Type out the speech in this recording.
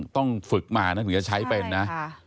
ต้องฝึกมานะถึงจะใช้เป็นนะ